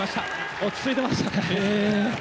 落ち着いてましたね。